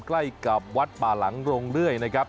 ใกล้กับวัดป่าหลังโรงเรื่อยนะครับ